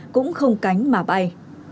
cũng không cánh mà bay